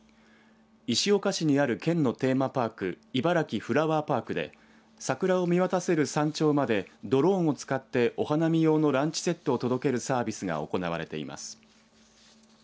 石岡市にある県のテーマパークいばらきフラワーパークで桜を見渡せる山頂までドローンを使って、お花見用のランチセットを届けるサービスが行われています。